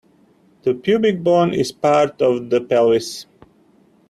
The pubic bone is part of the pelvis.